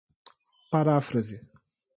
paráfrase